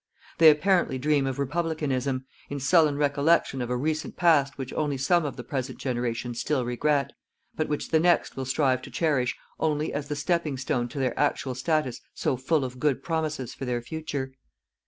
They apparently dream of Republicanism, in sullen recollection of a recent past which only some of the present generation still regret, but which the next will strive to cherish only as the stepping stone to their actual status so full of good promises for their future.